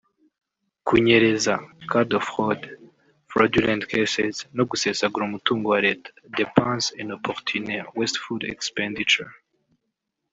Kunyereza (Cas de fraude/Fraudulent cases) no gusesagura umutungo wa Leta (Dépenses inopportunes/Wasteful expenditure);